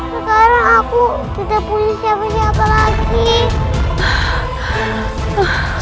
sekarang aku tidak punya siapa siapa lagi